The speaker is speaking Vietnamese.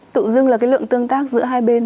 tự dưng là cái lượng tương tác giữa hai bên